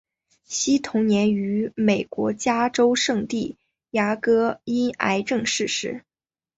惜同年于美国加州圣地牙哥因癌症逝世。